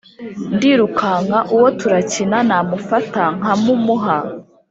ndirukankana uwo turakina namufata nkabumuha.